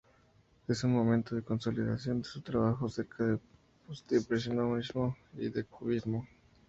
Es un momento de consolidación de su trabajo, cerca de postimpresionismo y del cubismo.